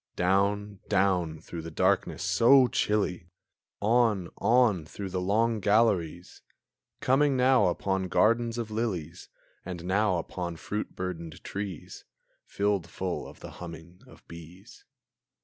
Down, down, through the darkness so chilly! On, on, through the long galleries! Coming now upon gardens of lilies, And now upon fruit burdened trees, Filled full of the humming of bees.